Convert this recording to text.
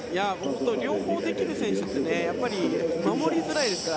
両方できる選手は守りづらいですから。